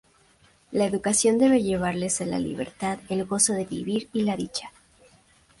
La educación debe llevarles a la libertad, el gozo de vivir y la dicha.